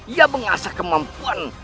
ia mengasah kemampuan